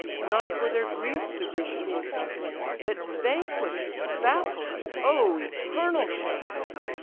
Not for their grief the Grecian host I blame; But vanquish'd! baffled! oh, eternal shame!